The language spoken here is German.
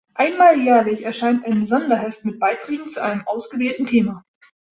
Einmal jährlich erscheint ein Sonderheft mit Beiträgen zu einem ausgewählten Thema.